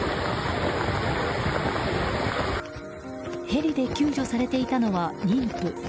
ヘリで救助されていたのは妊婦。